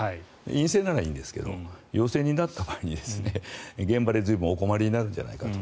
陰性ならいいんですが陽性になった場合に現場で随分お困りになるんじゃないかと。